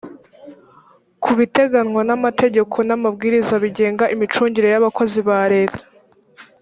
kubiteganywa n amategeko n amabwiriza bigenga imicungire y abakozi ba leta